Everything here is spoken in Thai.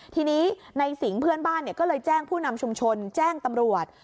ทีนี้ในสิงห์เพื่อนบ้านก็เลยแจ้งผู้นำชุมชนแจ้งตำรวจ